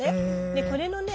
でこれのね